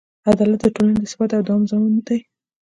عدالت د ټولنې د ثبات او دوام ضامن دی.